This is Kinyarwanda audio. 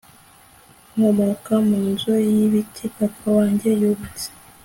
nkomoka mu nzu y'ibiti papa wanjye yubatse